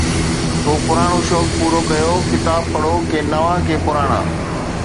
ڪو پراڻو شوق پورو ڪيو، ڪتاب پڙهو، ڪي نوان، ڪي پراڻا